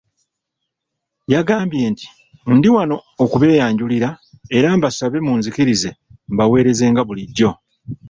Yagambye nti, “Ndi wano okubeeyanjulira era mbasabe munzikirize mbaweereze nga bulijjo."